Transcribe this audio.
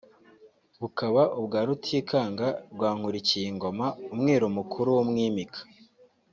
bukaba ubwa Rutikanga rwa Nkuriyingoma umwiru mukuru w’umwimika